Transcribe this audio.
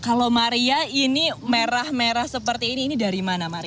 kalau maria ini merah merah seperti ini ini dari mana maria